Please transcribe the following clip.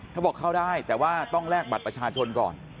เขาบอกเข้าได้แต่ว่าต้องแลกบัตรประชาชนก่อน